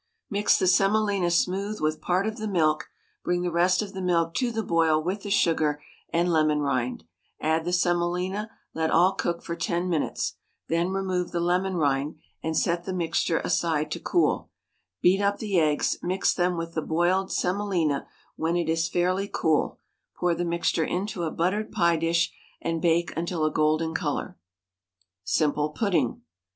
Mix the semolina smooth with part of the milk; bring the rest of the milk to the boil with the sugar and Lemon rind; add the semolina, let all cook for 10 minutes, then remove the lemon rind, and set the mixture aside to cool; beat up the eggs, mix them with the boiled semolina when it is fairly cool, pour the mixture into a buttered pie dish, and bake until a golden colour. SIMPLE PUDDING.